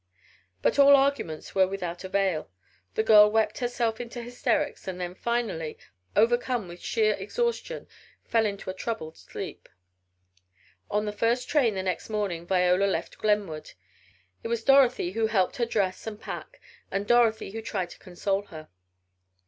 But all arguments were without avail. The girl wept herself into hysterics, and then finally, overcome with sheer exhaustion, fell into a troubled sleep. On the first train the next morning Viola left Glenwood. It was Dorothy who helped her dress and pack, and Dorothy who tried to console her.